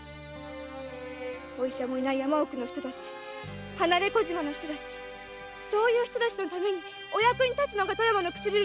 医者もいない山奥の人たち離れ小島の人たちそういう人のために役立つのが富山の薬売りよ。